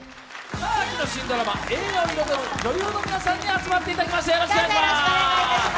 秋の新ドラマ、映画の女優の皆さんに集まっていただきました。